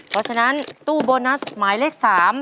เพราะฉะนั้นตู้โบนัสหมายเลข๓